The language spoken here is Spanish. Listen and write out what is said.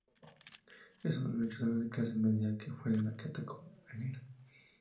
Es una luchadora de clase media, que fue la que atacó a Elena.